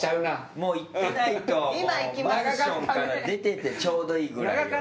もうマンションから出ててちょうどいいぐらいよ。